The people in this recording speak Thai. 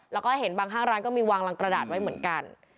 แล้วก็เห็นบางห้างร้านก็มีวางรังกระดาษไว้เหมือนกัน